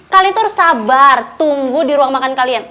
kalian tuh harus sabar tunggu di ruang makan kalian